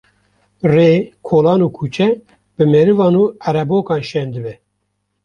Rê, kolan û kuçe bi merivan û erebokan şên dibe.